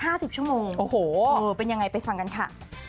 ห้าสิบชั่วโมงโอ้โหเออเป็นยังไงไปฟังกันค่ะ